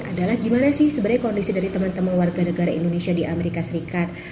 adalah gimana sih sebenarnya kondisi dari teman teman warga negara indonesia di amerika serikat